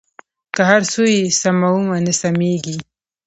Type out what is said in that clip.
که هر څو یې سمومه نه سمېږي.